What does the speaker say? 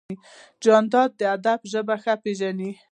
جانداد د ادب ژبه ښه پېژني.